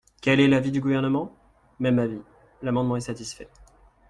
Quel est l’avis du Gouvernement ? Même avis : l’amendement est satisfait.